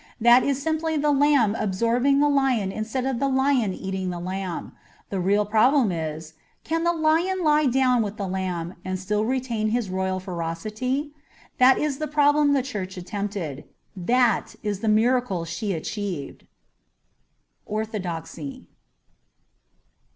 That is simply the lamb absorbing the lion instead of the lion eating the lamb. The real problem is — Can the lion lie down with the lamb and still retain his royal ferocity ? That is the problem the Church attempted ; that is the miracle she achieved. * Orthodoxy.